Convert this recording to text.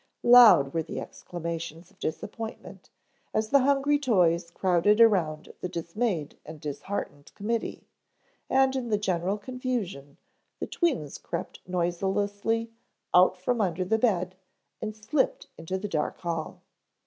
Loud were the exclamations of disappointment, as the hungry toys crowded around the dismayed and disheartened committee, and in the general confusion the twins crept noiselessly out from under the bed and slipped into the dark hall.